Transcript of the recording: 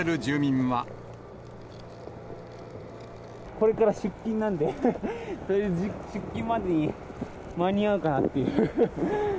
これから出勤なんで、出勤までに間に合うかなっていう。